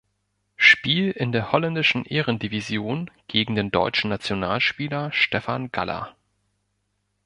Spiel in der holländischen Ehrendivision gegen den deutschen Nationalspieler Stefan Galla.